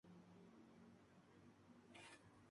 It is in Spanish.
Al-Ahly se coronó campeón por segunda vez en su historia.